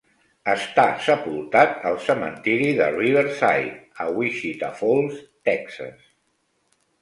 Està sepultat al cementiri de Riverside, a Wichita Falls, Texas.